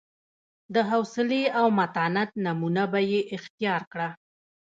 د حوصلې او متانت نمونه به یې اختیار کړه.